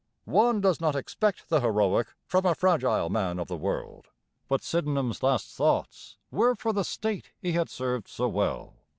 One does not expect the heroic from a fragile man of the world, but Sydenham's last thoughts were for the state he had served so well.